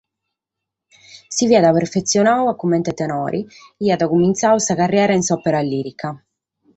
Si fiat perfetzionadu comente tenore e aiat cumintzadu sa carriera in s’òpera lìrica.